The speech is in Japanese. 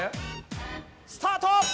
スタート！